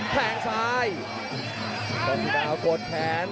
แผงสายตรงดาวกดแขน